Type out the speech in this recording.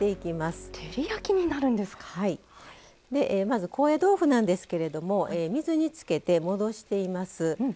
まず高野豆腐なんですけれども水につけて戻しています。